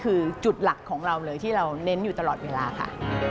คือจุดหลักของเราเลยที่เราเน้นอยู่ตลอดเวลาค่ะ